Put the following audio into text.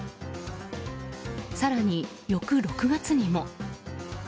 更に、翌６月にも。